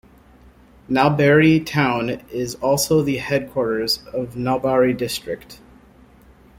Nalbari town is also the headquarters of Nalbari District.